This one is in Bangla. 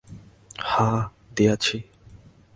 হাঁ, দিয়াছি।